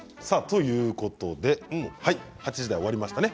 ８時台終わりましたね。